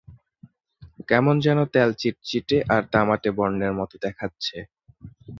কেমন যেন তেল চিটচিটে আর তামাটে বর্ণের মত দেখাচ্ছে।